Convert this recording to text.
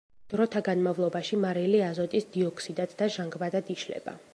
დროთა განმავლობაში მარილი აზოტის დიოქსიდად და ჟანგბადად იშლება.